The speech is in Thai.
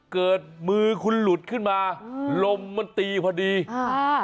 เกิดมือคุณหลุดขึ้นมาอืมลมมันตีพอดีอ่า